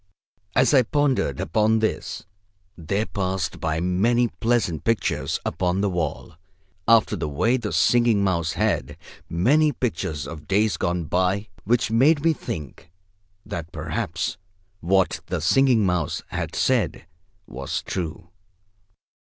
As I pondered upon this, there passed by many pleasant pictures upon the wall, after the way the Singing Mouse had; many pictures of days gone by, which made me think that perhaps what the Singing Mouse had said was true.